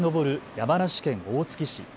山梨県大月市。